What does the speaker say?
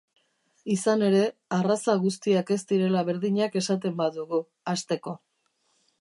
Izan ere, arraza guztiak ez direla berdinak esaten badugu, hasteko.